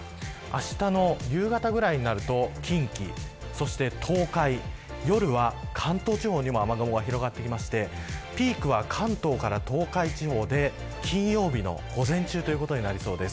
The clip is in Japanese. あしたの夕方ぐらいになると近畿そして東海夜は関東地方にも雨雲が広がってきましてピークは、関東から東海地方で金曜日の午前中ということです。